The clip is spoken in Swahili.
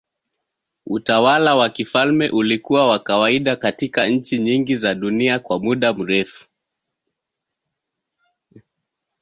Utawala wa kifalme ulikuwa wa kawaida katika nchi nyingi za dunia kwa muda mrefu.